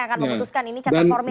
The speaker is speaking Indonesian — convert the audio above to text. ini catat formil atau nggak